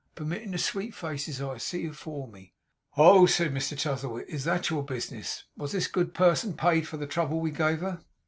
Permittin' the sweet faces as I see afore me.' 'Oh!' said Mr Chuzzlewit. 'Is that your business? Was this good person paid for the trouble we gave her?